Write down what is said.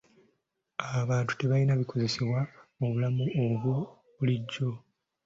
Abantu tebalina ebikozesebwa mu bulamu obwa bulijjo.